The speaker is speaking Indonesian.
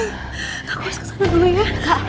kak aku harus kesana dulu ya